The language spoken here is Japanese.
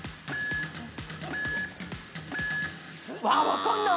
分かんない。